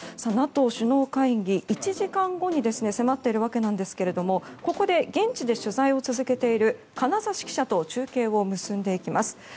ＮＡＴＯ首脳会議、１時間後に迫っているわけですがここで現地で取材を続けている金指記者と中継を結んでいきます。